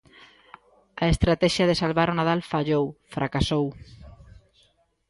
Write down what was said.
A estratexia de salvar o Nadal fallou, fracasou.